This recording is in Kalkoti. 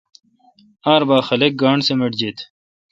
ار بھا خلق گاݨڈ سمٹ جیت۔